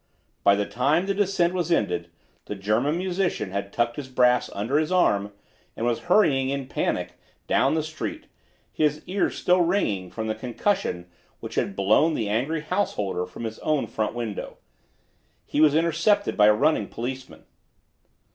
By the time the descent was ended the German musician had tucked his brass under his arm and was hurrying, in panic, down the street, his ears still ringing with the concussion which had blown the angry householder from his own front window. He was intercepted by a running policeman.